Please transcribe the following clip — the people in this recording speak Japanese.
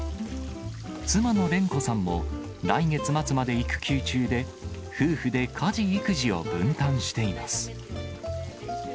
妻の練子さんも、来月末まで育休中で、夫婦で家事育児を分担しています。